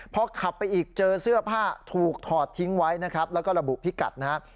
พอขับไปอีกเจอเสื้อผ้าถูกถอดทิ้งไว้นะครับแล้วก็ระบุพิกัดนะครับ